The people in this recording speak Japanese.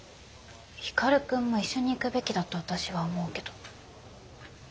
光くんも一緒に行くべきだと私は思うけど。